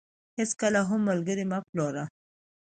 هيچ کله هم ملګري مه پلوره .